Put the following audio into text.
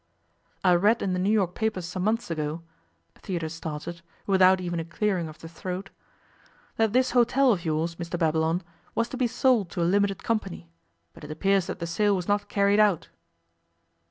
'I read in the New York papers some months ago,' Theodore started, without even a clearing of the throat, 'that this hotel of yours, Mr Babylon, was to be sold to a limited company, but it appears that the sale was not carried out.